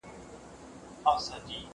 دا واښه له هغه پاکه ده!!